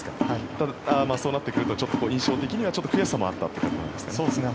そうなってくると印象的にはちょっと悔しさもあったという感じですかね。